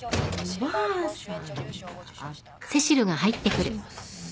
失礼します。